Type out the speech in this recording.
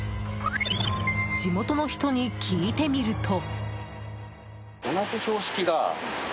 地元の人に聞いてみると。